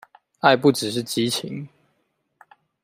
愛不只是激情